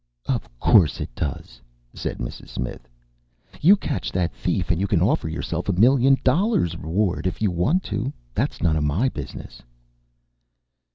"Of course it does!" said Mrs. Smith. "You catch that thief and you can offer yourself a million dollars reward if you want to. That's none of my business."